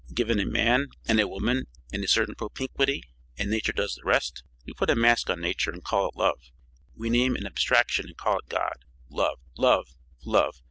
Given a man and a woman and a certain propinquity, and nature does the rest. We put a mask on nature and call it love, we name an abstraction and call it God. Love! Love! Love!